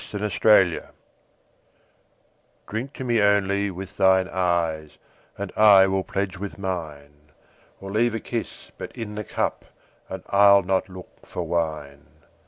Y Z To Celia DRINK to me, only, with thine eyes, And I will pledge with mine; Or leave a kiss but in the cup, And I'll not look for wine.